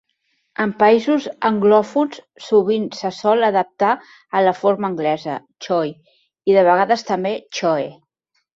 En països anglòfons, sovint se sol adaptar a la forma anglesa "Choi" i de vegades també "Choe".